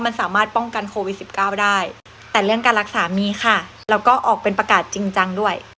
มันสามารถป้องกันโควิด๑๙ได้แต่เรื่องการรักษามีค่ะแล้วก็ออกเป็นประกาศจริงจังด้วย